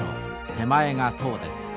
手前が塔です。